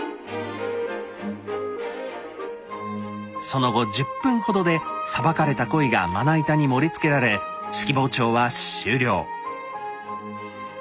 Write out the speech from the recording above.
その後１０分ほどでさばかれたコイがまな板に盛りつけられ式庖丁は終了。